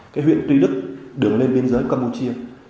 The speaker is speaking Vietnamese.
cái huyện tuy đức đường lên biên giới campuchia